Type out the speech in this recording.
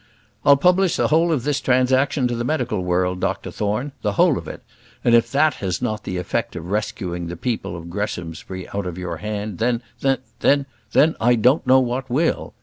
"I'll publish the whole of this transaction to the medical world, Dr Thorne the whole of it; and if that has not the effect of rescuing the people of Greshamsbury out of your hands, then then then, I don't know what will.